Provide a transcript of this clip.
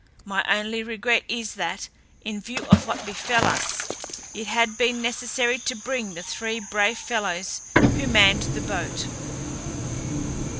My only regret is that, in view of what befell us, it had been necessary to bring the three brave fellows who manned the boat.